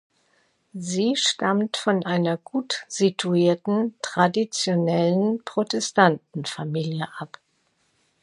Sie stammt von einer gut situierten, traditionellen Protestanten-Familie ab.